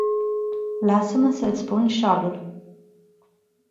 Lasa-ma sa iti pun salul.